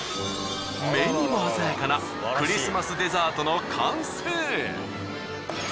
目にも鮮やかなクリスマスデザートの完成。